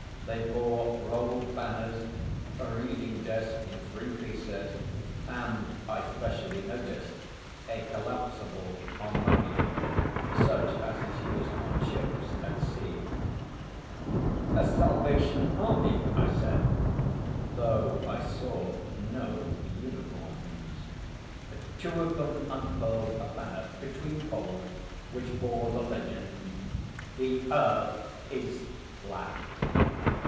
They bore rolled banners, a reading desk in three pieces, and, I specially noticed, a collapsible harmonium, such as is used on ships at sea. 'Salvation Army?' I said, though I saw no uniforms. Two of them unfurled a banner between poles which bore the legend: 'The Earth is flat.'